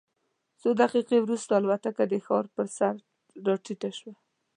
څو دقیقې وروسته الوتکه د ښار پر سر راټیټه شوه.